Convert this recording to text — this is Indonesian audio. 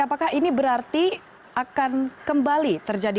apakah ini berarti akan kembali terjadi